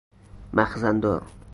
مخزن دار